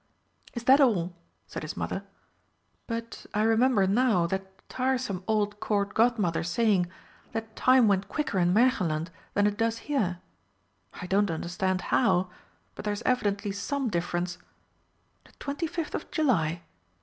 "Is that all?" said his mother. "But I remember now that tiresome old Court Godmother saying that Time went quicker in Märchenland than it does here. I don't understand how but there's evidently some difference. The twenty fifth of July?